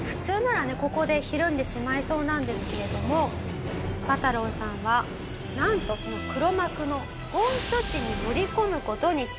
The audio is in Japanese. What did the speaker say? ここでひるんでしまいそうなんですけれどもスパ太郎さんはなんとその黒幕の本拠地に乗り込む事にします。